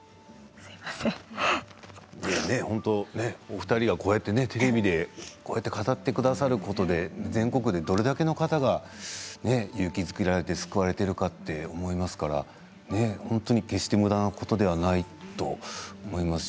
お二人がこうやってテレビで語ってくださることで全国でどれだけの方が勇気づけられて救われているかと思いますから本当に決して無駄なことではないと思います。